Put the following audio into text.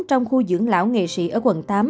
trong khu dưỡng lão nghệ sĩ ở quận tám